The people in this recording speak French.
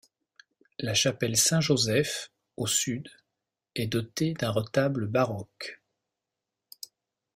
La chapelle Saint-Joseph, au sud, est dotée d’un retable baroque.